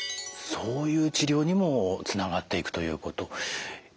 そういう治療にもつながっていくということ。